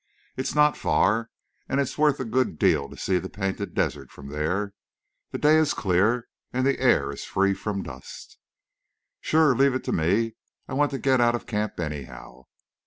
"It's not far, and it's worth a good deal to see the Painted Desert from there. The day is clear and the air free from dust." "Shore. Leave it to me. I want to get out of camp, anyhow.